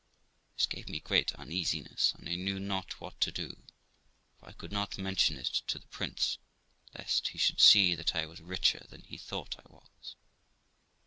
This gave me great uneasiness, and I knew not what to do; for I could not mention it to the prince, lest he should see that I was richer than he thought I was.